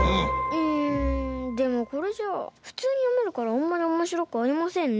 うんでもこれじゃあふつうによめるからあんまりおもしろくありませんね。